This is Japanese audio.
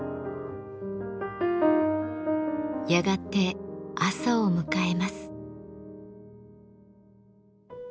やがて朝を迎えます。